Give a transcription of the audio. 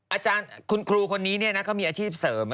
อาจารย์คุณครูคนนี้เขามีอาชีพเสริม